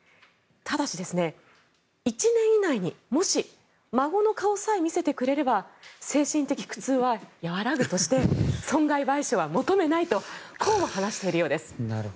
ただし、１年以内にもし孫の顔さえ見せてくれれば精神的苦痛は和らぐとして損害賠償は求めないとこうも話しているようです。